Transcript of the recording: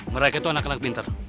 mereka itu anak anak pintar